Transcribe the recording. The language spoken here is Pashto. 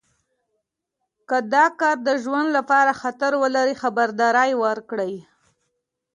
که دا کار د ژوند لپاره خطر ولري خبرداری ورکړئ.